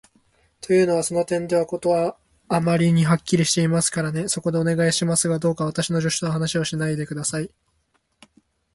というのは、その点では事はあまりにはっきりしていますからね。そこで、お願いしますが、どうか私の助手とは話をしないで下さい。